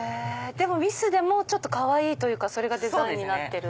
でもミスでもかわいいというかそれがデザインになってる。